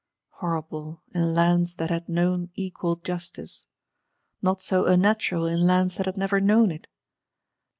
Horrible, in Lands that had known equal justice! Not so unnatural in Lands that had never known it.